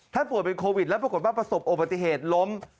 ป่วยเป็นโควิดแล้วปรากฏว่าประสบอุบัติเหตุล้ม